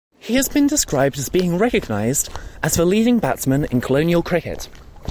He has been described as being recognised as the leading batsman in colonial cricket.